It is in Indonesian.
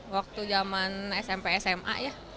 waktu zaman smp sma ya